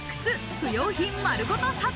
不用品まるごと査定。